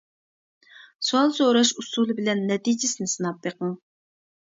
سوئال سوراش ئۇسۇلى بىلەن نەتىجىسىنى سىناپ بېقىڭ.